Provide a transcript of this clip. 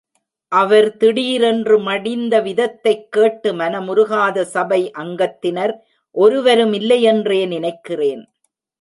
அவர் திடீரென்று மடிந்த விதத்தைக் கேட்டு மனமுருகாத சபை அங்கத்தினர் ஒருவருமில்லையென்றே நினைக்கிறேன்.